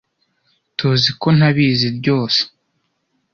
Tuziko ntabizi ryose.